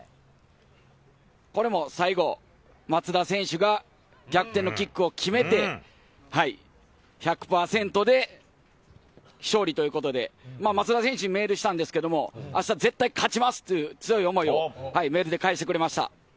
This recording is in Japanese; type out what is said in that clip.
最後、松田選手が逆転のキックを決めて、１００％で勝利ということで、松田選手にメールしたんですけれども、あした絶対勝ちますという強い思いをメールで返してくれました。